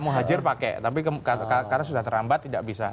ya mau hajir pakai tapi karena sudah terlambat tidak bisa